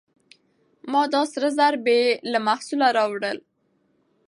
ما دا سره زر بې له محصوله راوړل.